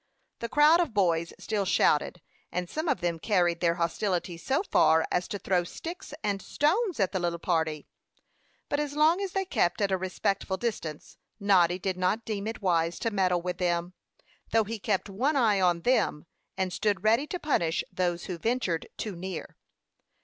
The crowd of boys still shouted, and some of them carried their hostility so far as to throw sticks and stones at the little party; but as long as they kept at a respectful distance, Noddy did not deem it wise to meddle with them, though he kept one eye on them, and stood ready to punish those who ventured too near.